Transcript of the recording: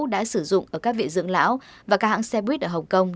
đã sử dụng ở các vị dưỡng lão và các hãng xe buýt ở hồng kông